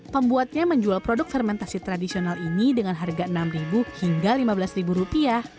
pembuatnya menjual produk fermentasi tradisional ini dengan harga rp enam hingga rp lima belas